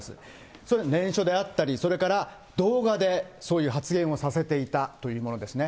それが念書であったり、それから動画でそういう発言をさせていたというものですね。